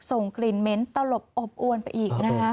ส่งกลิ่นเหม็นตลบอบอวนไปอีกนะคะ